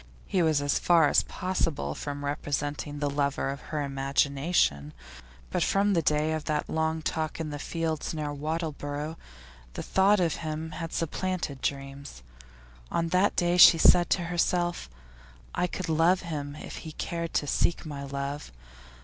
He was as far as possible from representing the lover of her imagination, but from the day of that long talk in the fields near Wattleborough the thought of him had supplanted dreams. On that day she said to herself: I could love him if he cared to seek my love.